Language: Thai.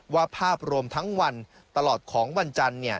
ภาพรวมทั้งวันตลอดของวันจันทร์